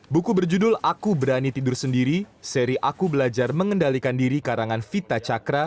buku berjudul aku berani tidur sendiri seri aku belajar mengendalikan diri karangan vita cakra